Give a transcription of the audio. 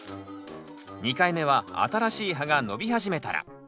２回目は新しい葉が伸び始めたら。